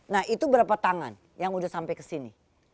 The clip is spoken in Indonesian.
nah itu berapa tangan yang udah sampai ke sini